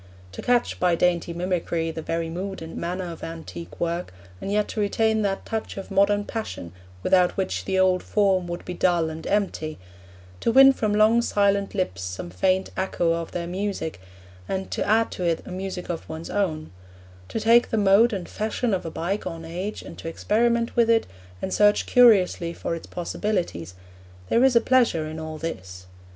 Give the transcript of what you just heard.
To catch, by dainty mimicry, the very mood and manner of antique work, and yet to retain that touch of modern passion without which the old form would be dull and empty; to win from long silent lips some faint echo of their music, and to add to it a music of one's own; to take the mode and fashion of a bygone age, and to experiment with it, and search curiously for its possibilities; there is a pleasure in all this.